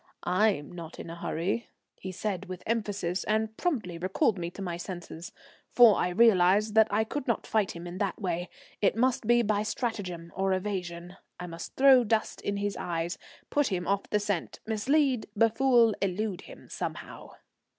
I'm not in a hurry," he said with emphasis, and promptly recalled me to my senses, for I realized that I could not fight him that way. It must be by stratagem or evasion. I must throw dust in his eyes, put him off the scent, mislead, befool, elude him somehow.